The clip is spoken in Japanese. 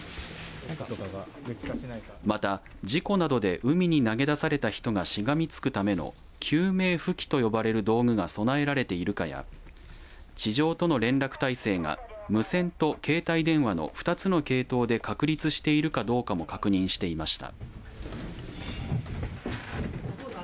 また事故などで海に投げ出された人がしがみつくための救命浮器と呼ばれる道具が備えられているかや地上との連絡体制が無線と携帯電話の２つの系統で確立しているかどうかも確認していました。